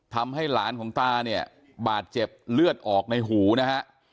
ทำให้หลานของตาเนี่ยบาดเจ็บเลือดออกในหูนะฮะ